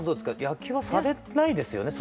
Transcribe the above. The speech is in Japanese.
野球はされないですよね